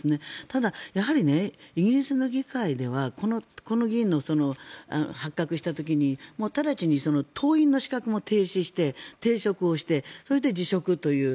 ただ、やはりイギリスの議会ではこの議員の発覚した時に直ちに党員の資格も停止して停職もしてそれで辞職という。